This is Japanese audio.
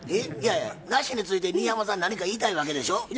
いやいやナシについて新浜さん何か言いたいわけでしょ？